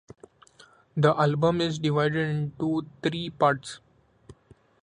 The album is divided into three parts.